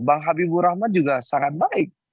bang habibur rahman juga sangat baik